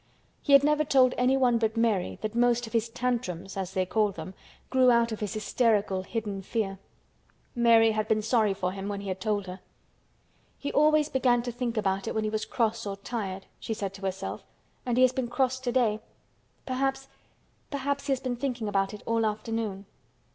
He had never told anyone but Mary that most of his "tantrums" as they called them grew out of his hysterical hidden fear. Mary had been sorry for him when he had told her. "He always began to think about it when he was cross or tired," she said to herself. "And he has been cross today. Perhaps—perhaps he has been thinking about it all afternoon."